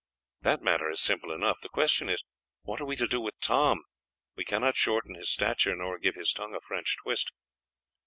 That matter is simple enough, the question is, what are we to do with Tom? We cannot shorten his stature, nor give his tongue a French twist."